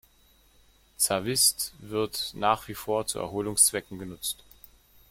Závist wird nach wie vor zu Erholungszwecken genutzt.